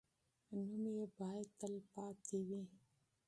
نوم یې باید تل پاتې وي.